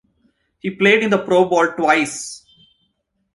He played in the Pro Bowl twice.